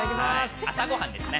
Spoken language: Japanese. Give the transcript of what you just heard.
朝ごはんですね。